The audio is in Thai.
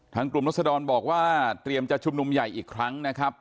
กลุ่มรัศดรบอกว่าเตรียมจะชุมนุมใหญ่อีกครั้งนะครับ